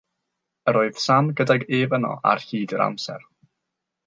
Yr oedd Sam gydag ef yno ar hyd yr amser.